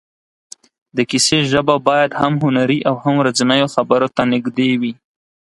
د کیسې ژبه باید هم هنري او هم ورځنیو خبرو ته نږدې وي.